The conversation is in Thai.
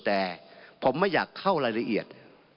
แต่ผมไม่อยากเข้ารายละเอียด